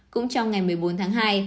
cũng trong ngày một mươi bốn tháng hai